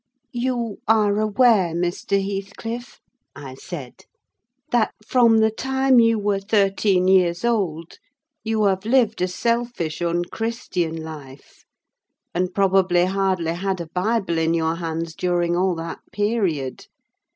"You are aware, Mr. Heathcliff," I said, "that from the time you were thirteen years old you have lived a selfish, unchristian life; and probably hardly had a Bible in your hands during all that period.